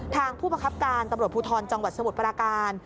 ผู้ประคับการตำรวจภูทรจังหวัดสมุทรปราการ